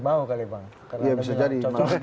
mau kali bang iya bisa jadi